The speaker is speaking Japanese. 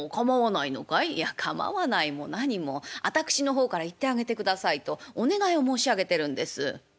「いや構わないも何も私の方から行ってあげてくださいとお願いを申し上げてるんです」。